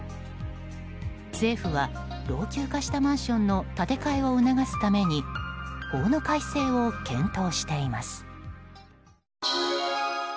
政府は老朽化したマンションの建て替えを促すために法の改正を検討しています。